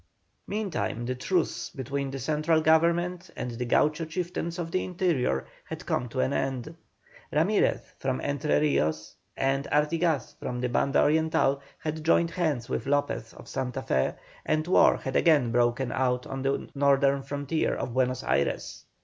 Meantime the truce between the central Government and the Gaucho chieftains of the interior had come to an end. Ramirez from Entre Rios, and Artigas from the Banda Oriental, had joined hands with Lopez of Santa Fé, and war had again broken out on the northern frontier of Buenos Ayres.